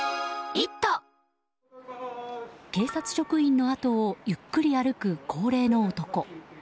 警察職員の後をゆっくり歩く高齢の男。